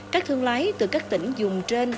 các thương lái từ các tỉnh dùng trên